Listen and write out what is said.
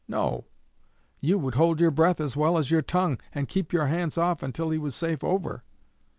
No! you would hold your breath as well as your tongue, and keep your hands off until he was safe over.